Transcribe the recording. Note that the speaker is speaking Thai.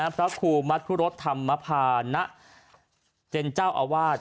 พระครูมัธุรสธรรมภานะเจนเจ้าอาวาส